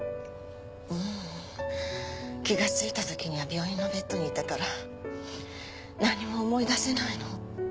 ううん気がついた時には病院のベッドにいたから何も思い出せないの。